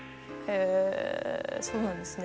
へえそうなんですね。